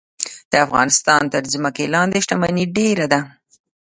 د افغانستان تر ځمکې لاندې شتمني ډیره ده